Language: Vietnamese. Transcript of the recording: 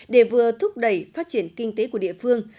để vừa thúc đẩy phát triển kinh tế của địa phương